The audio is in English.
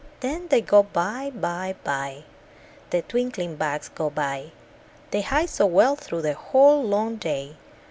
When they go by, By, By— The twinkling bugs go by. They hide so well through the whole long day.